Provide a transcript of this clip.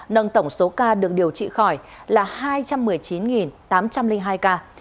nâng tổng số ca được điều trị khỏi là hai trăm một mươi chín tám trăm linh hai ca